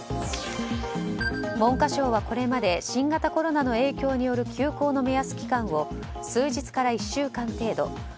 文科省はこれまで新型コロナの影響による休校の目安期間を数日から１週間程度